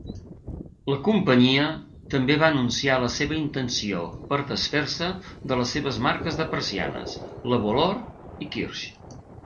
La companyia també va anunciar la seva intenció per desfer-se de les seves marques de persianes, Levolor i Kirsch.